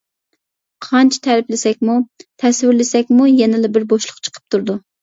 قانچە تەرىپلىسەكمۇ، تەسۋىرلىسەكمۇ يەنىلا بىر بوشلۇق چىقىپ تۇرىدۇ.